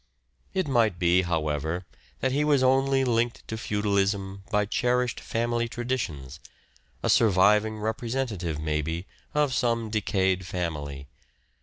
It might be, however, that he was only linked to shakesPeare an Feudalism by cherished family traditions ; a surviving Aristocrat, representative, maybe, of some decayed family.